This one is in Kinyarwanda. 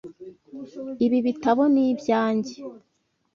Ibi bitabo ni ibyanjye.